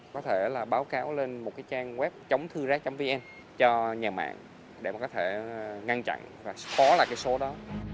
có thể là báo cáo lên một trang web chống thư rác vn cho nhà mạng để có thể ngăn chặn và xóa lại số đó